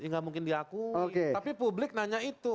ini tidak mungkin diakui tapi publik nanya itu